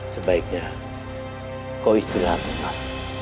sebaiknya kau istilahkan mas